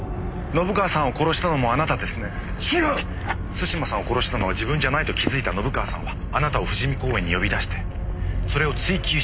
津島さんを殺したのは自分じゃないと気づいた信川さんはあなたを富士美公園に呼び出してそれを追及しようとした。